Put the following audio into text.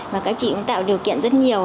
và các chị cũng tạo điều kiện rất nhiều